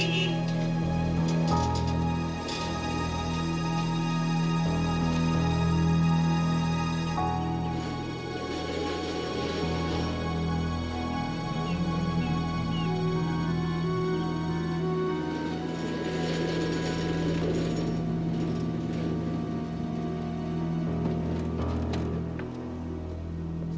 aku sudah selesai